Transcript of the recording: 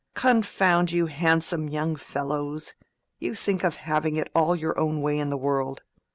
"Confound you handsome young fellows! you think of having it all your own way in the world.